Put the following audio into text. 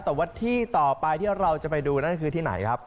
แต่ว่าที่ต่อไปที่เราจะไปดูนั่นคือที่ไหนครับ